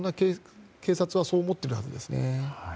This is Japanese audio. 警察はそう思っているはずですね。